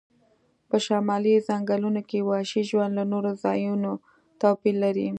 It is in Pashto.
په شمالي ځنګلونو کې وحشي ژوند له نورو ځایونو توپیر لري